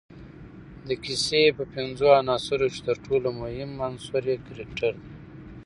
د کیسې په پنځو عناصروکښي ترټولو مهم عناصر کرکټر دئ.